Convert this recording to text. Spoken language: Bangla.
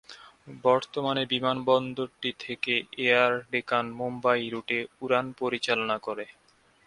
বর্তমানে বিমানবন্দরটি থেকে এয়ার ডেকান মুম্বাই রুটে উড়ান পরিচালনা করে।